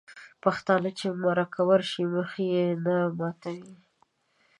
پښتانه چې مرکه ورشي مخ یې نه ماتوي.